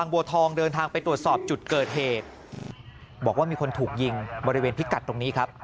บอกว่ามีคนถูกยิงบริเวณพิกัดตรงนี้ครับ